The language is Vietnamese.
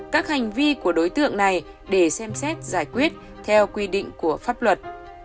các hành vi của đối tượng này để xem xét giải quyết theo quy định của pháp luật